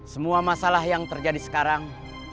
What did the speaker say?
semua masalah yang terjadi sekarang